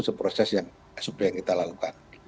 seproses yang kita lakukan